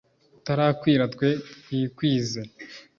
utarakwira twe twikwize